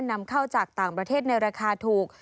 นำเข้าจากต่างประเทศในราคาถูก